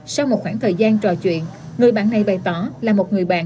sau một khoảng thời gian trò chuyện người bạn này bày tỏ là một người bạn